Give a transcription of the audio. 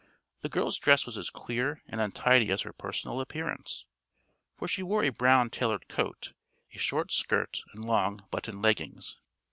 The girl's dress was as queer and untidy as her personal appearance, for she wore a brown tailored coat, a short skirt and long, buttoned leggings.